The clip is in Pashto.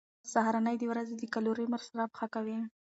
سهارنۍ د ورځې د کالوري مصرف ښه کوي.